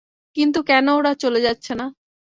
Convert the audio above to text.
কিন্তু কেন ওরা চলে যাচ্ছে না?